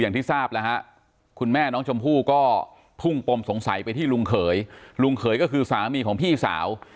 อย่างที่ทราบแล้วฮะคุณแม่น้องชมพู่ก็พุ่งปมสงสัยไปที่ลุงเขยลุงเขยก็คือสามีของพี่สาว